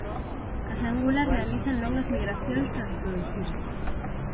As angulas realizan longas migracións para reproducirse.